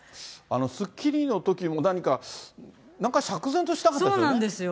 スッキリのときも何か、なんか釈然としなかったですよね。